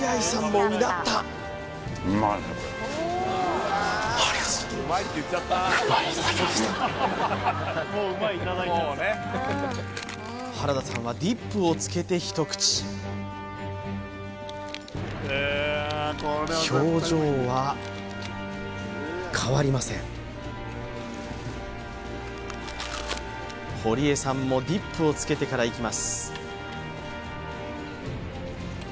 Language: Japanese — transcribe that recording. もうなった原田さんはディップをつけて一口表情は変わりません堀江さんもディップをつけてからいきます